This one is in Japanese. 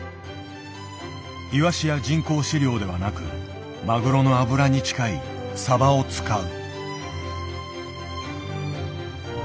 イワシや人工飼料ではなくマグロの脂に近いサバを使う。